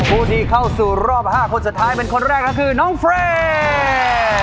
ผู้ที่เข้าสู่รอบ๕คนสุดท้ายเป็นคนแรกก็คือน้องเฟร